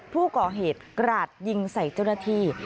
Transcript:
ผู้ก่อเหตุกราดยิงใส่เจ้าหน้าที่